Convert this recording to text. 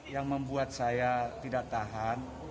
yang membuat saya tidak tahan